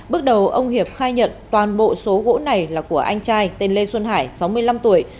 bước đầu ông hiệp khai nhận toàn bộ số gỗ này là của anh trai tên lê xuân hải sáu mươi năm tuổi